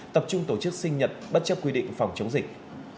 tập trung tổ chức sinh nhật bất chấp quy định phòng chống dịch